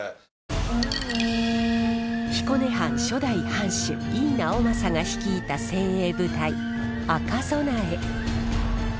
彦根藩初代藩主井伊直政が率いた精鋭部隊赤備え。